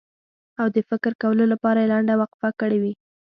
او د فکر کولو لپاره یې لنډه وقفه کړې وي.